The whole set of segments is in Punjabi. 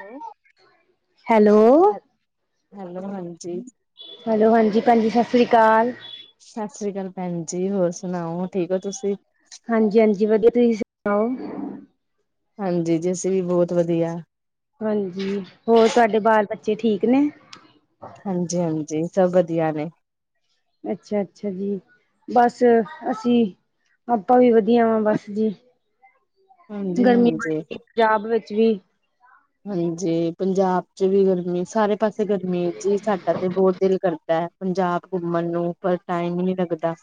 ਹੈਲੋ। ਹੈਲੋ ਹੈਲੋ ਹਾਂਜੀ ਹੈਲੋ ਹਾਂਜੀ ਭੈਨਜੀ ਸਸ਼੍ਰੀ ਕਾਲ ਸਸ੍ਰੀ ਕਾਲ ਭੈਣ ਜੀ ਹੋਰ ਸੁਣਾਓ ਠੀਕ ਹੋ ਤੁਸੀਂ ਹਾਂਜੀ ਹਾਂਜੀ ਵਧੀਆ ਤੁਸੀਂ ਸੁਣਾਓ? ਹਾਂਜੀ ਜੀ ਅਸੀਂ ਵੀ ਬਹੁਤ ਵਧੀਆ। ਹਾਂਜੀ ਹੋਰ ਤੁਹਾਡੇ ਬਾਲ ਬੱਚੇ ਠੀਕ ਨੇ ਹਾਂਜੀ ਹਾਂਜੀ ਸਭ ਵਧੀਆ ਨੇ ਅੱਛਾ ਅੱਛਾ ਜੀ ਬਸ ਅਸੀਂ ਆਪਾਂ ਵੀ ਵਧੀਆ ਵਾ ਬਸ ਜੀ ਹਾਂਜੀ ਗਰਮੀ ਹਾਂਜੀ ਬੜੀ ਪੰਜਾਬ ਵਿੱਚ ਵੀ। ਹਾਂਜੀ, ਪੰਜਾਬ ਚ ਵੀ ਗਰਮੀ ਸਾਰੇ ਪਾਸੇ ਗਰਮੀ ਐ ਜੀ ਸਾਡਾ ਤੇ ਬਹੁਤ ਦਿਲ ਕਰਦਾ ਐ ਪੰਜਾਬ ਘੁੰਮਣ ਨੂੰ ਪਰ ਟਾਈਮ ਹੀ ਨਹੀਂ ਲੱਗਦਾ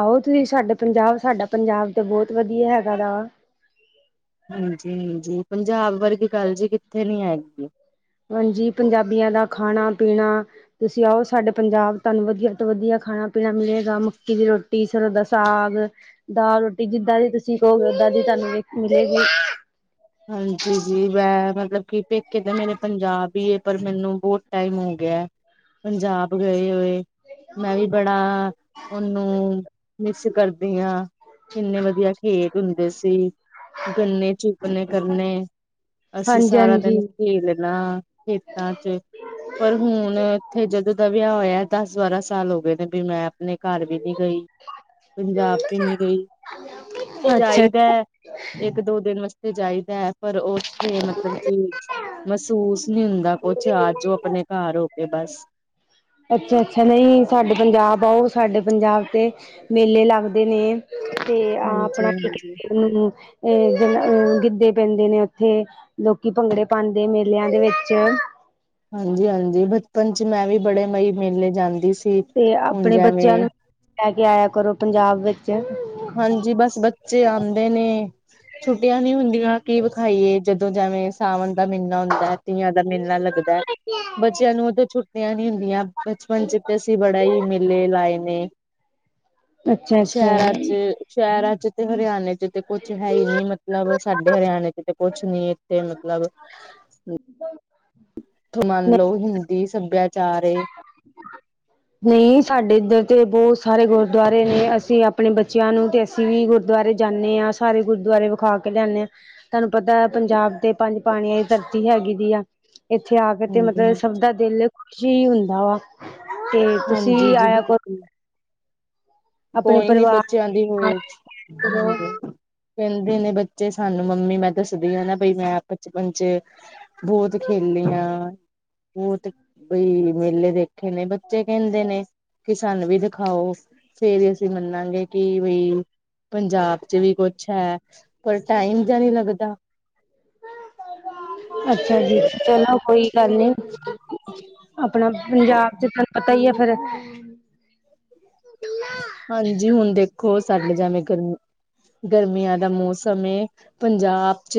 ਆਓ ਤੁਸੀਂ ਸਾਡੇ ਪੰਜਾਬ ਸਾਡਾ ਪੰਜਾਬ ਤੇ ਬਹੁਤ ਵਧੀਆ ਹੈਗਾ ਵਾ ਹਾਂਜੀ ਹਾਂਜੀ, ਪੰਜਾਬ ਵਰਗੀ ਗੱਲ ਜੀ ਕਿੱਥੇ ਨੀ ਹੈਗੀ। ਹਾਂਜੀ, ਪੰਜਾਬੀਆਂ ਦਾ ਖਾਣਾ ਪੀਣਾ ਤੁਸੀਂ ਆਓ ਸਾਡੇ ਪੰਜਾਬ ਤੁਹਾਨੂੰ ਵਧੀਆ ਤੋਂ ਵਧੀਆ ਖਾਣਾ ਪੀਣਾ ਮਿਲੇਗਾ ਮੱਕੀ ਦੀ ਰੋਟੀ ਸਰ੍ਹੋਂ ਦਾ ਸਾਗ ਦਾਲ ਰੋਟੀ ਜਿੱਦਾਂ ਦੀ ਤੁਸੀਂ ਕਹੋਗੇ ਓਦਾਂ ਦੀ ਤੁਹਾਨੂੰ ਮਿ ਮਿਲੇਗੀ। ਹਾਂਜੀ ਜੀ ਮੈ ਮਤਲਬ ਕਿ ਪੇਕੇ ਤਾਂ ਮੇਰੇ ਪੰਜਾਬ ਹੀ ਪਰ ਮੈਨੂੰ ਬਹੁਤ ਟਾਈਮ ਹੋ ਗਿਐ ਪੰਜਾਬ ਗਏ ਹੋਏ ਮੈਂ ਵੀ ਬੜਾ ਉਹਨੂੰ ਮਿਸ ਕਰਦੀ ਆਂ ਕਿੰਨੇ ਵਧੀਆ ਖੇਤ ਹੁੰਦੇ ਸੀ ਗੰਨੇ ਚ ਕਰਨੇ ਅਸੀਂ ਹਾਂਜੀ ਸਾਰਾ ਹਾਂਜੀ ਦਿਨ ਖੇਲਣਾ ਖੇਤਾਂ ਚ ਪਰ ਹੁਣ ਇੱਥੇ ਜਦੋਂ ਦਾ ਵਿਆਹ ਹੋਇਆ ਦਸ ਬਾਰਾਂ ਸਾਲ ਹੋ ਗਏ ਨੇ ਵੀ ਮੈਂ। ਆਪਣੇ ਘਰ ਵੀ ਨੀ ਗਈ। ਪੰਜਾਬ ਵੀ ਨਹੀਂ ਗਈ ਅੱਛਾ ਜਾਈਦਾ ਇੱਕ ਦੋ ਦਿਨ ਵਾਸਤੇ। ਤੇ ਜਾਈਦਾ ਹੈ ਪਰ ਉੱਥੇ ਮਤਲਬ ਕਿ। ਮਹਿਸੂਸ ਨਹੀਂ ਹੁੰਦਾ ਕੁਛ, ਆਜੌ ਆਪਣੇ ਘਰ ਹੋ ਕੇ ਬਸ। ਅੱਛਾ ਅੱਛਾ, ਨਹੀਂ ਸਾਡੇ ਪੰਜਾਬ ਆਓ ਸਾਡੇ ਪੰਜਾਬ ਤੇ ਮੇਲੇ ਲੱਗਦੇ ਨੇ। ਤੇ ਆਹ ਆਪਣਾ ਹਾਂਜੀ ਕੀ ਹਾਂਜੀ ਕਹਿੰਦੇ ਉਹਨੂੰ। ਇਹ ਗਿੱਧੇ ਪੈਂਦੇ ਨੇ ਉੱਥੇ ਲੋਕੀ ਭੰਗੜੇ ਪਾਉਂਦੇ ਮੇਲਿਆਂ ਦੇ ਵਿੱਚ ਹਾਂਜੀ ਹਾਂਜੀ, ਬਚਪਨ ਚ ਮੈਂ ਵੀ ਬੜੇ ਬਈ ਮੇਲੇ ਜਾਂਦੀ ਸੀ। ਤੇ ਹੁਣ ਆਪਣੇ ਬੱਚਿਆਂ ਜਿਵੇਂ ਨੂੰ ਲੈ ਕੇ ਆਇਆ ਕਰੋ ਪੰਜਾਬ ਵਿੱਚ। ਹਾਂਜੀ, ਬਸ ਬੱਚੇ ਆਉਂਦੇ ਨੇ। ਛੁੱਟੀਆਂ ਨੀ ਹੁੰਦੀਆਂ ਕੀ ਵਿਖਾਈਏ ਜਦੋਂ ਜਿਵੇਂ ਸਾਵਣ ਦਾ ਮਹੀਨਾ ਹੁੰਦਾ। ਤੀਆਂ ਦਾ ਮੇਲਾ ਲੱਗਦਾ। ਬੱਚਿਆਂ ਨੂੰ ਤਾਂ ਛੁੱਟੀਆਂ ਨੀ ਹੁੰਦੀਆਂ ਬਚਪਨ ਚ ਤੇ ਅਸੀਂ ਬੜਾ ਹੀ ਮੇਲੇ ਲਾਏ ਨੇ। ਅੱਛਾ-ਅੱਛਾ ਸ਼ਹਿਰਾਂ ਚ। ਸ਼ਹਿਰਾਂ ਚ ਤੇ ਹਰਿਆਣੇ ਚ ਤੇ ਕੁਛ ਹੈ ਹੀ ਨੀ ਮਤਲਬ ਸਾਡੇ ਹਰਿਆਣੇ ਚ ਤੇ ਕੁਛ ਨੀ ਇੱਥੇ ਮਤਲਬ। ਹੈਨਾ। ਉਥੋਂ ਮੰਨ ਲਓ ਹਿੰਦੀ ਸਭਿਆਚਾਰ ਏ। ਨਹੀਂ ਸਾਡੇ ਇੱਧਰ ਤੇ ਬਹੁਤ ਸਾਰੇ ਗੁਰਦੁਆਰੇ ਨੇ ਅਸੀਂ ਆਪਣੇ ਬੱਚੇ। ਬੱਚਿਆਂ ਨੂੰ ਤੇ ਅਸੀਂ ਵੀ ਗੁਰਦੁਆਰੇ ਜਾਂਦੇ ਹਾਂ ਸਾਰੇ ਗੁਰਦੁਆਰੇ ਵਿਖਾ ਕੇ ਲਿਆਦੇ ਹਾਂ। ਤੁਹਾਨੂੰ ਪਤਾ ਪੰਜਾਬ ਤੇ ਪੰਜ ਪਾਣੀਆਂ ਦੀ ਧਰਤੀ ਹੈਗੀ ਦੀ ਆ। ਇੱਥੇ ਆ ਕੇ ਤੇ ਮਤਲਬ ਹਾਂਜੀ-ਹਾਂਜੀ, ਸਭ ਦਾ ਦਿਲ ਖੁਸ਼ ਹੀ ਹੁੰਦਾ ਵਾ। ਤੇ ਤੁਸੀਂ ਹਾਂਜੀ ਵੀ ਜੀ। ਆਇਆ ਕਰੋ ਆਪਣੇ ਕੋਈ ਨੀ ਬੱਚਿਆਂ ਦੀ ਪਰਿਵਾਰ ਹੋਏ। ਕਰੋ ਕਹਿੰਦੇ ਨੇ ਬੱਚੇ ਸਾਨੂੰ ਮੰਮੀ ਮੈਂ ਦੱਸਦੀ ਹਾਂ ਨਾ ਬਈ ਮੈਂ ਬਚਪਨ ਚ। ਬਹੁਤ ਖੇਲੀ ਹਾਂ। ਬਹੁਤ ਬਈ ਮੇਲੇ ਦੇਖੇ ਨੇ ਬੱਚੇ ਕਹਿੰਦੇ ਨੇ ਕਿ ਸਾਨੂੰ ਵੀ ਦਿਖਾਓ। ਫਿਰ ਅਸੀਂ ਮੰਨਾਗੇ ਕਿ ਬਈ। ਪੰਜਾਬ ਚ ਵੀ ਕੁਛ ਹੈ ਪਰ ਟਾਈਮ ਜਿਹਾ ਨਹੀਂ ਲੱਗਦਾ। ਅੱਛਾ ਜੀ ਚਲੋ ਕੋਈ ਗੱਲ ਨੀ। ਆਪਣਾ ਪੰਜਾਬ ਚ ਤੁਹਾਨੂੰ ਪਤਾ ਹੀ ਹੈ ਫੇਰ। ਹਾਂਜੀ, ਹੁਣ ਦੇਖੋ ਸਾਡੇ ਜਿਵੇਂ ਗਰਮ ਗਰਮੀਆਂ ਦਾ ਮੌਸਮ ਏ। ਪੰਜਾਬ ਚ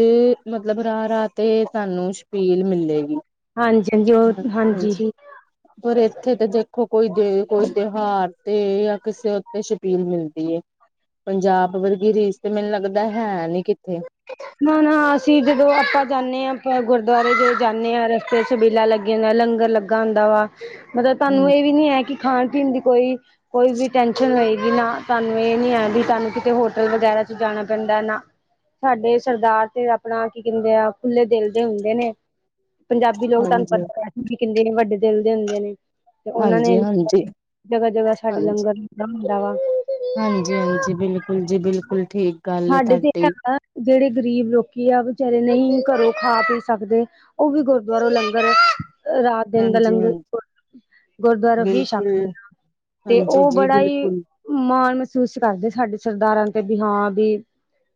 ਮਤਲਬ ਰਾਹ ਰਾਹ ਤੇ ਤੁਹਾਨੂੰ ਛਬੀਲ ਮਿਲੇਗੀ। ਹਾਂਜੀ ਹਾਂਜੀ, ਹਾਂ ਹਾਂਜੀ, ਪਰ ਇੱਥੇ ਤੇ ਦੇਖੋ ਕੋਈ ਜੇ ਕੋਈ ਤਿਉਹਾਰ ਤੇ ਜਾਂ ਕਿਸੇ। ਤੇ ਸ਼ਪੀਲ ਮਿਲਦੀ ਏ ਪੰਜਾਬ ਵਰਗੀ ਰੀਸ ਤੇ ਮੈਨੂੰ ਲੱਗਦਾ ਹੈ ਨੀ ਕਿੱਥੇ। ਨਾ ਨਾ ਅਸੀਂ ਜਦੋਂ ਆਪਾਂ ਜਾਂਦੇ ਹਾਂ ਆਪ ਗੁਰਦੁਆਰੇ ਜ ਜਾਂਦੇ ਹਾਂ ਰਸਤੇ ਚ। ਛਬੀਲਾ ਲੱਗੀਆਂ ਹੁੰਦੀਆਂ ਲੰਗਰ ਲੱਗਾ ਹੁੰਦਾ ਵਾ ਮਤਲਬ ਤੁਹਾਨੂੰ ਹੂੰ, ਇਹ ਵੀ ਨੀ ਹੈ ਕਿ ਖਾਣ ਪੀਣ ਦੀ ਕੋਈ। ਕੋਈ ਵੀ ਟੈਨਸ਼ਨ ਹੋਏਗੀ ਨਾ ਸਾਨੂੰ ਇਹ ਨੀ ਹੈ ਵੀ ਤੁਾਨੂੰ ਕਿਤੇ ਹੋਟਲ ਵਗੈਰਾ ਚ ਜਾਣਾ ਪੈਂਦਾ ਨਾ। ਸਾਡੇ ਸਰਦਾਰ ਤੇ ਆਪਣਾ ਕੀ ਕਹਿੰਦੇ ਆ ਖੁੱਲੇ ਦਿਲ ਦੇ ਹੁੰਦੇ ਨੇ ਪੰਜਾਬੀ ਲੋਕ ਤੁਹਾਨੂੰ ਹਾਂਜੀ, ਪਤਾ। ਕਿੰਦੇ ਨੇ ਵੱਡੇ ਦਿਲ ਦੇ ਹੁੰਦੇ ਨੇ ਤੇ ਉਹਨਾਂ ਨੇ ਹਾਂਜੀ, ਹਾਂਜੀ, ਜਗ੍ਹਾ ਜਗ੍ਹਾ ਸਾਡੇ ਹਾਂਜੀ। ਲੰਗਰ। ਲੱਗਾ ਹੁੰਦਾ ਵਾ। ਹਾਂਜੀ, ਹਾਂਜੀ ਬਿਲਕੁਲ ਜੀ, ਬਿਲਕੁਲ ਠੀਕ ਗੱਲ ਹੈ ਸਾਡੇ ਤੇ ਤੁਹਾਡੀ। ਹੈਗਾ ਜਿਹੜੇ ਗ਼ਰੀਬ ਲੋਕੀ ਆ ਵਿਚਾਰੇ ਨਹੀਂ ਘਰੋਂ ਖਾ ਪੀ ਸਕਦੇ। ਉਹ ਵੀ ਗੁਰਦੁਆਰੋ ਲੰਗਰ ਰਾਤ ਦਿਨ ਦਾ ਹਾਂਜੀ, ਲੰਗਰ। ਹਾਂਜੀ ਗੁਰਦੁਆਰਾ ਤੋਂ ਵੀ ਬਿਲਕੁਲ ਛਕਦੇ ਹਾਂ ਤੇ ਹਾਂਜੀ ਉਹ ਜੀ ਬੜਾ ਹੀ। ਬਿਲਕੁਲ। ਮਾਣ ਮਹਿਸੂਸ ਕਰਦੇ ਸਾਡੇ ਸਰਦਾਰਾਂ ਤੇ ਵੀ ਹਾਂ ਵੀ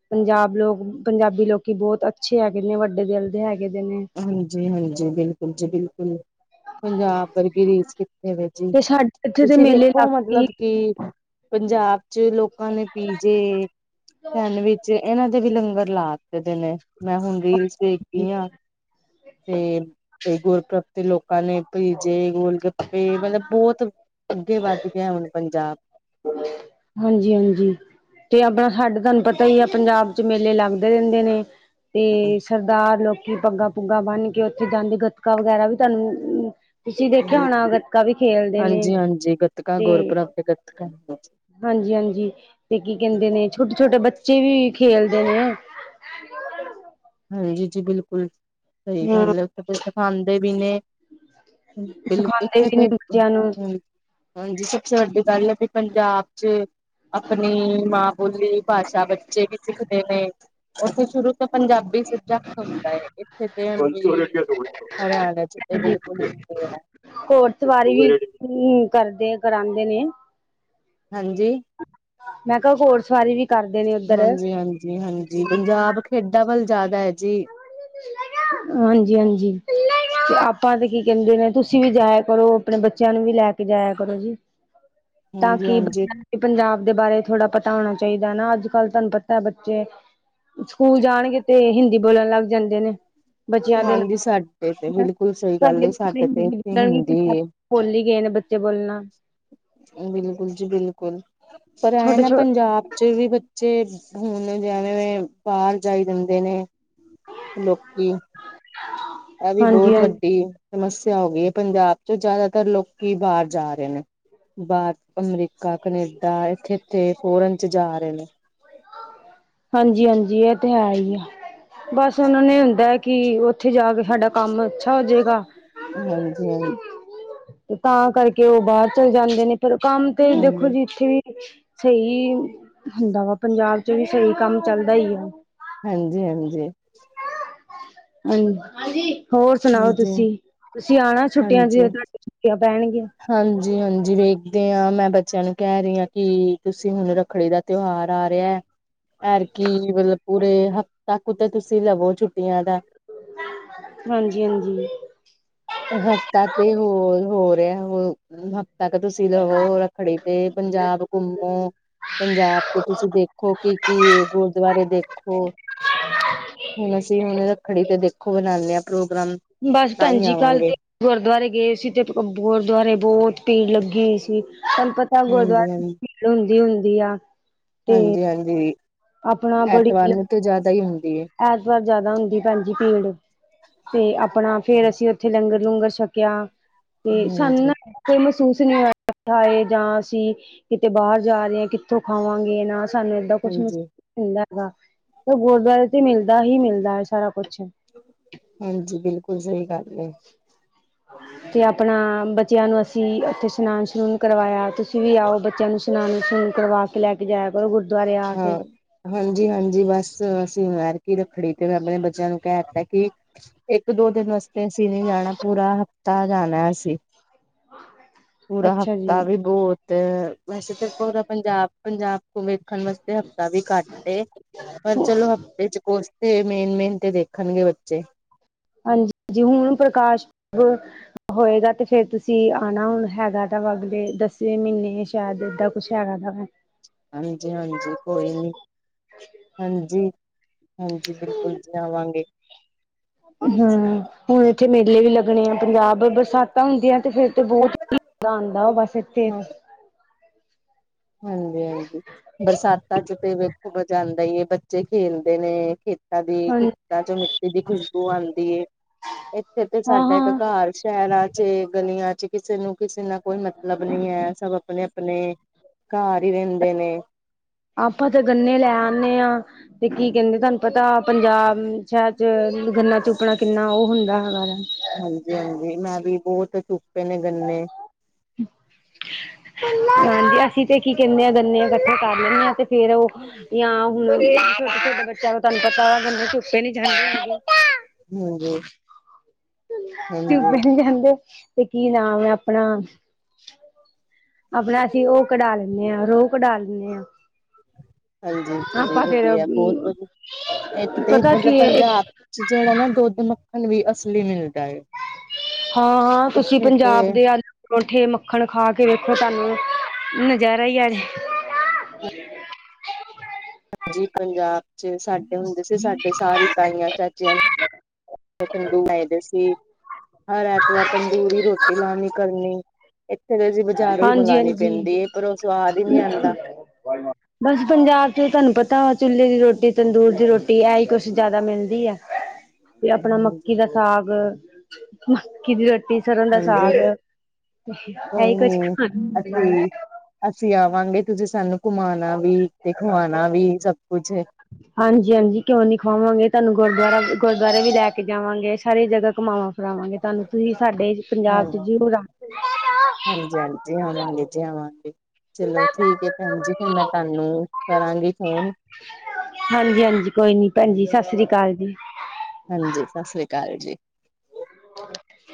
ਪੰਜਾਬ ਲੋਕ। ਪੰਜਾਬੀ ਲੋਕੀ ਬਹੁਤ ਅੱਛੇ ਹੈਗੇ ਨੇ। ਵੱਡੇ ਦਿਲ ਦੇ ਹੈਗੇ ਦੇ ਨੇ। ਹਾਂਜੀ ਹਾਂਜੀ, ਬਿਲਕੁਲ ਜੀ ਬਿਲਕੁਲ ਪੰਜਾਬ ਵਰਗੀ ਰੀਸ ਕਿੱਥੇ। ਜੀ ਤੇ ਸਾਡੇ ਇੱਥੇ ਦੇ ਤੁਸੀਂ ਮੇਲੇ ਵੇਖੋ ਮਤਲਬ ਕਿ ਲੱਗ ਪੰਜਾਬ ਚ ਲੋਕਾਂ ਨੇ ਪੀਜੇ ਸੈਂਡਵਿਚ ਇਹਨਾਂ ਦੇ ਵੀ ਲੰਗਰ ਲਾ ਦੇ ਨੇ ਮੈਂ ਹੁਣ ਰੀਲਸ ਦੇਖਦੀ ਆ। ਤੇ ਗੁਰਪੂਰਬ ਤੇ ਲੋਕਾਂ ਨੇ ਭੀਜੇ ਗੋਲਗੱਪੇ ਮਤਲਬ ਬਹੁਤ ਅੱਗੇ ਵੱਧ ਗਿਆ ਹੁਣ ਪੰਜਾਬ ਹਾਂਜੀ ਹਾਂਜੀ, ਤੇ ਆਪਣਾ ਸਾਡੇ ਤੁਹਾਨੂੰ ਪਤਾ ਹੀ ਆ ਪੰਜਾਬ ਚ ਮੇਲੇ ਲੱਗਦੇ ਰਹਿੰਦੇ ਨੇ। ਤੇ ਸਰਦਾਰ ਲੋਕੀ ਪੱਗਾਂ ਪੁੱਗਾਂ ਬੰਨ ਕੇ ਉੱਥੇ ਜਾਂਦੇ ਗੱਤਕਾ ਵਗੈਰਾ ਵੀ ਤੁਹਾਨੂੰ ਤੁਸੀਂ ਦੇਖਿਆ ਹੋਣਾ ਗਤਕਾ ਵੀ ਖੇਲਦੇ ਨੇ ਤੇ ਹਾਂ, ਹਾਂਜੀ ਹਾਂਜੀ, ਤੇ ਕੀ ਕਹਿੰਦੇ ਨੇ ਛੋਟੇ ਛੋਟੇ ਬੱਚੇ ਵੀ ਖੇਲਦੇ ਨੇ। ਹਾਂਜੀ ਜੀ, ਬਿਲਕੁਲ ਸਹੀ ਹਮ ਗੱਲ ਐ ਉੱਥੇ ਸਿਖਾਾਂਦੇ ਵੀ ਨੇ। ਬਿਲਕੁਲ ਸਿਖਾਉਂਦੇ ਇੱਥੇ ਵੀ ਨੇ ਤਾਂ ਬੱਚਿਆਂ ਨੂੰ ਹੂੰ, ਹਾਂਜੀ ਸਭ ਤੋਂ ਵੱਡੀ ਗੱਲ ਹੈ ਵੀ ਪੰਜਾਬ ਚ ਆਪਣੀ ਮਾਂ ਬੋਲੀ ਭਾਸ਼ਾ ਬੱਚੇ ਵੀ ਸਿੱਖਦੇ ਨੇ। ਓਥੇ ਸ਼ੁਰੂ ਤੋਂ ਪੰਜਾਬੀ ਸਬਜੈਕਟ ਹੁੰਦਾ ਐ ਇਥੇ ਹਰਿਆ। ਹੋਰ ਸਵਾਰੀ ਵੀ ਕਰਦੇ ਕਰਾਂਦੇ ਨੇ। ਹਾਂਜੀ। ਮੈਂ ਕਿਹਾ ਹੋਰ ਸਵਾਰੀ ਵੀ ਕਰਦੇ ਨੇ ਉੱਧਰ ਹਾਂਜੀ ਹਾਂਜੀ, ਹਾਂਜੀ ਪੰਜਾਬ ਖੇਡਾਂ ਵੱਲ ਜ਼ਿਆਦਾ ਹੈ ਜੀ। ਹਾਂਜੀ ਹਾਂਜੀ। ਤੇ ਆਪਾਂ ਤੇ ਕੀ ਕਹਿੰਦੇ ਨੇ ਤੁਸੀਂ ਵੀ ਜਾਇਆ ਕਰੋ ਆਪਣੇ ਬੱਚਿਆਂ ਨੂੰ ਵੀ ਲੈ ਕੇ ਜਾਇਆ ਕਰੋ ਜੀ। ਤਾਂ ਹਾਂਜੀ ਕਿ ਹਾਂਜੀ ਬੱਚ ਪੰਜਾਬ ਦੇ ਬਾਰੇ ਥੋੜ੍ਹਾ ਪਤਾ ਹੋਣਾ ਚਾਹੀਦਾ ਨਾ ਅੱਜ ਕੱਲ੍ਹ ਤੁਹਾਨੂੰ ਪਤਾ ਬੱਚੇ। ਸਕੂਲ ਜਾਣਗੇ ਤੇ ਹਿੰਦੀ ਬੋਲਣ ਲੱਗ ਜਾਂਦੇ ਨੇ। ਬਚਿਆਂ ਦੇ [inaudible] ਹਾਂਜੀ ਸਾਡੇ ਤੇ ਬਿਲਕੁਲ ਸਹੀ ਗੱਲ ਹੈ ਸਾਡੇ ਤੇ ਇੱਥੇ ਹਿੰਦੀ ਭੁੱਲ ਹੀ ਗਏ ਨੇ ਬੱਚੇ ਬੋਲਣਾ ਬਿਲਕੁਲ ਜੀ ਬਿਲਕੁਲ ਪਰ ਐ ਛੋਟੇ ਨਾ ਛੋਟੇ ਪੰਜਾਬ ਚ ਵੀ। ਬੱਚੇ ਹੁਣ ਜਵੇਂ ਬਾਹਰ ਜਾਈ ਜਾਂਦੇ ਨੇ ਲੋਕੀ। [unintelligible] ਆ ਵੀ ਹਾਂਜੀ ਬਹੁਤ ਹਾਂਜੀ ਵੱਡੀ ਸਮੱਸਿਆ ਹੋ ਗਈ ਐ ਪੰਜਾਬ ਚ ਜ਼ਿਆਦਾਤਰ ਲੋਕੀ ਬਾਹਰ ਜਾ ਰਹੇ ਨੇ। ਬਾਹਰ ਅਮਰੀਕਾ ਕਨੇਡਾ ਇਥੇ ਇਥੇ ਫੋਰਨ ਚ ਜਾ ਰਹੇ ਨੇ। ਹਾਂਜੀ ਹਾਂਜੀ, ਇਹ ਤੇ ਹੈ ਹੀ ਆ ਬਸ ਉਹਨਾਂ ਨੇ ਹੁੰਦਾ ਕਿ ਉੱਥੇ ਜਾ ਕੇ ਸਾਡਾ ਕੰਮ ਅੱਛਾ ਹੋਜੇਗਾ। ਹਾਂਜੀ ਹਾਂਜੀ ਤਾਂ ਕਰਕੇ ਉਹ ਬਾਹਰ ਚਲੇ ਜਾਂਦੇ ਨੇ ਪਰ ਕੰਮ ਤੇ ਦੇਖੋ ਹਾਂਜੀ ਜੀ ਇੱਥੇ ਵੀ ਸਹੀ ਹੁੰਦਾ ਵਾ ਪੰਜਾਬ ਚ ਵੀ ਸਹੀ ਕੰਮ ਚੱਲਦਾ ਹੀ ਆ। ਹਾਂਜੀ ਹਾਂਜੀ। ਹਾਂਜੀ ਹੋਰ ਸੁਣਾਓ ਤੁਸੀਂ ਤੁਸੀਂ ਆਣਾ ਛੁੱਟੀਆਂ ਚ ਹਾਂਜੀ ਤੇ। ਚੁੱਕੀਆਂ ਪੈਣਗੀਆਂ। ਹਾਂਜੀ ਹਾਂਜੀ, ਵੇਖਦੇ ਆ ਮੈਂ ਬੱਚਿਆਂ ਨੂੰ ਕਹਿ ਰਹੀ ਹਾਂ ਕਿ ਤੁਸੀਂ ਹੁਣ ਰੱਖੜੀ ਦਾ। ਤਿਉਹਾਰ ਆ ਰਿਹਾ ਐਤਕੀ ਮਤਲਬ ਪੂਰੇ ਤੱਕ ਤਾਂ ਤੁਸੀਂ ਲਵੋ ਛੁੱਟੀਆਂ ਦਾ। ਹਾਂਜੀ ਹਾਂਜੀ। ਹਫ਼ਤਾ ਤੇ ਹੋਰ ਹੋ ਰਿਹਾ ਹੋਰ। ਹਫ਼ਤਾਂ ਤੱਕ ਤੁਸੀਂ ਰਵੋ ਰੱਖੜੀ ਤੇ ਪੰਜਾਬ ਘੁੰਮੋ। ਪੰਜਾਬ ਚ ਤੁਸੀਂ ਦੇਖੋ ਕੀ ਕੀ ਗੁਰਦੁਆਰੇ ਦੇਖੋ। ਹੁਣ ਅਸੀਂ ਹੁਣ ਰੱਖੜੀ ਤੇ ਦੇਖੋ ਬਣਾਦੇ ਆ ਪ੍ਰੋਗਰਾਮ ਬਸ ਤਾਂ ਭੈਣ ਹੀ ਜੀ ਆਵਾਂਗੇ। ਕੱਲ ਤੇ ਗੁਰਦੁਆਰੇ ਗਏ ਸੀ ਤੇ ਗੁਰਦੁਆਰੇ ਬਹੁਤ ਭੀੜ ਲੱਗੀ ਹੋਈ ਸੀ ਸੰਪਤੀ। ਹਾਂਜੀ ਗੁਰਦੁਆਰੇ ਹਾਂਜੀ ਭੀੜ ਹੁੰਦੀ ਹੁੰਦੀ ਆ ਤੇ ਹਾਂਜੀ ਆਪਣਾ ਬੜੀ ਐਤਵਾਰ ਨੂੰ ਤੇ ਜ਼ਿਆਦਾ ਹੀ ਹੁੰਦੀ ਐ। ਐਤਵਾਰ ਜਿਆਦਾ ਹੁੰਦੀ ਭੈਣਜੀ ਭੀੜ ਤੇ ਆਪਣਾ ਫੇਰ ਅਸੀਂ ਉੱਥੇ ਲੰਗਰ ਲੂੰਗਰ ਛਕਿਆ ਤੇ ਸਾਨੂੰ ਨਾ। ਹਾਂਜੀ ਕੋਈ ਮਹਿਸੂਸ ਨਹੀਂ ਹੋ ਹੈ ਜਾਂ ਅਸੀਂ ਕਿਤੇ ਬਾਹਰ ਜਾ ਰਹੇ ਹਾਂ ਕਿੱਥੋਂ ਖਾਵਾਂਗੇ ਇਹਨਾਂ ਸਾਨੂੰ ਏਦਾਂ ਕੁਛ ਹਾਂਜੀ ਮਿਲਦਾ ਹੈਗਾ ਗੁਰਦੁਆਰੇ ਤੇ ਮਿਲਦਾ ਹੀ ਮਿਲਦਾ ਹੈ ਸਾਰਾ ਕੁਛ। ਹਾਂਜੀ ਬਿਲਕੁਲ ਸਹੀ ਗੱਲ। ਹ। ਤੇ ਆਪਣਾ ਬੱਚਿਆਂ ਨੂੰ ਅਸੀਂ ਉੱਥੇ ਸਸ਼ਨਾਨ ਸਨੂਨ ਕਰਵਾਇਆ ਤੁਸੀਂ ਵੀ ਆਓ ਬੱਚਿਆਂ ਨੂੰ। ਇਸ਼ਨਾਨ ਕਰਵਾ ਕੇ ਲੈ ਕੇ ਜਾਇਆ ਕਰ ਗੁਰਦੁਆਰੇ ਆ ਕੇ। ਹਾਂ ਹਾਂਜੀ ਹਾਂਜੀ ਬਸ ਅਸੀਂ ਮੈਰਕ ਰੱਖੜੀ ਤੇ ਮੈਂ ਆਪਣੇ ਬੱਚਿਆਂ ਨੂੰ ਕਹਿ ਦਿੱਤਾ ਕਿ ਇੱਕ ਦੋ ਦਿਨ ਵਾਸਤੇ ਅਸੀਂ ਨਹੀਂ ਜਾਣਾ ਪੂਰਾ ਹਫ਼ਤਾ ਜਾਣਾ ਅਸੀਂ। ਪੂਰਾ ਅੱਛਾ ਹਫ਼ਤਾ ਜੀ। ਵੀ ਬਹੁਤ ਤੇ ਵੈਸੇ ਤਾਂਦਾ ਪੰਜਾਬ ਪੰਜਾਬ ਵੇਖਣ ਵਾਸਤੇ ਹਫ਼ਤਾ ਵੀ ਘੱਟ ਪਰ ਚਲੋ ਹਫ਼ਤੇ ਚ ਕੋਰਸ ਤੇ ਮੇਨ ਮੇਨ ਤੇ ਦੇਖਣਗੇ ਬੱਚੇ। ਹਾਂਜੀ ਜ ਹੁਣ ਪ੍ਰਕਾਸ਼ ਪੁਰਬ ਹੋਏਗਾ ਤੇ ਫੇਰ ਤੁਸੀਂ ਆਉਣਾ ਹੁਣ ਹੈਗਾ ਤਾਂ ਅਗਲੇ ਦਸਵੇਂ ਮਹੀਨੇ ਸ਼ਾਇਦ ਏਦਾਂ। ਛਿਆਟਾ ਸਾਹਿਬ ਹਾਂਜੀ ਹਾਂਜੀ, ਕੋਈ ਨੀ। ਹਾਂਜੀ ਹਾਂਜੀ, ਬਿਲਕੁਲ ਜੀ ਆਵਾਂਗੇ। ਹਮ ਹੁਣ ਇੱਥੇ ਮੇਲੇ ਵੀ ਲੱਗਣੇ ਆ, ਪੰਜਾਬ ਬਰਸਾਤਾਂ ਹੁੰਦੀਆਂ ਤੇ ਫੇਰ ਤੇ ਬਹੁਤ ਆਉਂਦਾ ਉਹ ਬਸ ਇੱਥੇ ਹਾਂ ਹਾਂਜੀ ਹਾਂਜੀ, ਬਰਸਾਤਾਂ ਚ ਤੇ ਵੇਖੋਂ ਮਾਜਾਂ ਆਂਦਾ ਹੀ ਏ ਬ ਬੱਚੇ ਖੇਲਦੇ ਨੇ ਖੇਤਾਂ ਦੀ ਹਾਂਜੀ, ਖੇਤਾਂ ਚ ਮਿੱਟੀ ਦੀ ਖੁਸ਼ਬੂ ਆਉਂਦੀ ਹੈ। ਇੱਥੇ ਤੇ ਹਾਂ ਸਾਡਾ ਇੱਕ ਹਾਂ ਘਰ ਸ਼ਹਿਰਾਂ ਚ ਗਲੀਆਂ 'ਚ ਕਿਸੇ ਨੂੰ ਕਿਸੇ ਨਾਲ ਕੋਈ ਮਤਲਬ ਨੀ ਹੈ, ਸਭ ਆਪਣੇ ਆਪਣੇ। ਘਰ ਹੀ ਰਹਿੰਦੇ ਨੇ। ਆਪਾਂ ਤੇ ਗੰਨੇ ਲੈ ਆਦੇ ਹਾਂ, ਤੇ ਕੀ ਕਹਿੰਦੇ ਤੁਹਾਨੂੰ ਪਤਾ ਪੰਜਾਬ ਸ਼ਹਿਰ 'ਚ ਗੰਨਾ ਚੁਪਣਾ ਕਿੰਨਾ ਉਹ ਹੁੰਦਾ ਹੈਗਾ। ਹਾਂਜੀ ਹਾਂਜੀ, ਮੈਂ ਵੀ ਬਹੁਤ ਚੁਪੇ ਨੇ ਗੰਨੇ। ਹਾਂਜੀ, ਅਸੀਂ ਤੇ ਕੀ ਕਹਿੰਦੇ ਆ ਗੰਨੇ ਇਕੱਠਾ ਕਰ ਲੈਣੇ ਹਾਂ ਤੇ ਫੇਰ ਉਹ ਜਾਂ ਹੁਣ ਛੋਟੇ ਛੋਟੇ ਬੱਚਾ ਤਹਾਨੂੰ ਪਤਾ ਹੈ। ਇਹ ਨਹੀਂ ਜਾਣ ਦਿੰਦ ਹਾਂਜੀ ਇਹ ਹਾਂਜੀ ਤੇ ਕਹਿੰਦੇ ਤੇ ਕੀ ਨਾਮ ਆਪਣਾ। ਆਪਣਾ ਅਸੀਂ ਉਹ ਕਢਾ ਲੈਂਦੇ ਹਾਂ ਰੋਹ ਕਢਾ ਲੈਂਦੇ ਹਾਂ। ਹਾਂਜੀ ਆਪਾਂ ਫੇਰ ਵੀ ਹੈ ਬਹੁਤ ਵਧੀਆ ਇੱਕ ਤੇ ਪਤਾ ਮਤਲਬ ਕੀ ਹੈ ਪੰਜਾਬ ਚ ਜਿਹੜਾ ਨਾ ਦੁੱਧ ਮੱਖਣ ਵੀ ਅਸਲੀ ਮਿਲਦਾ ਹੈ। ਹਾਂ ਹਾਂ, ਤੁਸੀਂ ਇੱਥੇ ਤੇ ਪੰਜਾਬ ਦੇ ਆ? ਪਰੋਂਠੇ ਮੱਖਣ ਖਾ ਕੇ ਵੇਖੋ ਤੁਹਾਨੂੰ ਨਜ਼ਾਰਾ ਹੀ ਆਜਾਣਾ। ਹਾਂਜੀ, ਪੰਜਾਬ 'ਚ ਸਾਡੇ ਹੁੰਦੇ ਸੀ ਸਾਡੇ ਸਾਰੀ ਤਾਈਆਂ ਚਾਚੀਆਂ। ਤੰਦੂਰ ਲਾਈ ਦਾ ਸੀ, ਹਰ ਐਤਵਾਰ ਤੰਦੂੂਰੀ ਰੋਟੀ ਲਾਣੀ ਕਰਨੀ। ਹੂੰ ਬਾਜ਼ਾਰੋਂ ਹੀ ਹਾਂਜੀ ਮੰਗਉਣੀ ਪੈਂਦੀ ਹਾਂਜੀ ਹੈ ਪਰ ਉਹ ਸੁਵਾਦ ਹੀ ਨਹੀਂ ਆਉਂਦਾ। ਬਸ ਪੰਜਾਬ ਚ ਤੁਹਾਨੂੰ ਪਤਾ ਵਾ ਚੁੱਲ੍ਹੇ ਦੀ ਰੋਟੀ, ਤੰਦੂਰ ਦੀ ਰੋਟੀ, ਇਹ ਹੀ ਕੁਛ ਜਿਆਦਾ ਮਿਲਦੀ ਆ। ਤੇ ਆਪਣਾ ਮੱਕੀ ਦਾ ਸਾਗ ਮੱਕੀ ਦੀ ਰੋਟੀ। ਸਰੋ ਦਾ ਹਾਂਜੀ, ਸਾਗ ਇਹੀ ਕੋਈ ਕੁੱਝ ਨੀ ਖਾਣਾ ਅਸੀਂ ਅਸੀਂ ਆਵਾਂਗੇ ਤੁਸੀਂ ਸਾਨੂੰ ਘੁਮਾਣਾ ਵੀ ਤੇ ਖਵਾਣਾ ਵੀ ਸਭ ਕੁਛ ਹਾਂਜੀ ਹਾਂਜੀ, ਕਿਉਂ ਨੀ ਖਵਾਵਾਂਗੇ ਤੁਹਾਨੂੰ ਗੁਰਦੁਆਰਾ ਗੁਰਦੁਆਰੇ ਵੀ ਲੈ ਕੇ ਜਾਵਾਂਗੇ ਸਾਰੀ ਜਗ੍ਹਾ ਘਮਾਵਾਂਗੇ। ਕਰਾਵਾਂਗੇ ਤੁਹਾਨੂੰ ਤੁਸੀਂ ਸਾਡੇ ਹਾਂ ਪੰਜਾਬ ਚ ਜ਼ ਜੀ ਆਵਾਂਗੇ ਜੀ ਆਵਾਂਗੇ, ਚਲੋ ਠੀਕ ਹੈ ਭੈਣ ਜੀ, ਫਿਰ ਮੈਂ ਤੁਹਾਨੂੰ ਕਰਾਂਗੀ ਫੋਨ। ਹਾਂਜੀ ਹਾਂਜੀ, ਕੋਈ ਨੀ ਭੈਣ ਜੀ, ਸਤਿ ਸ੍ਰੀ ਅਕਾਲ ਜੀ। ਹਾਂਜੀ, ਸਤਿ ਸ੍ਰੀ ਅਕਾਲ ਜੀ। ਹਾਂ